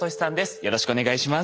よろしくお願いします。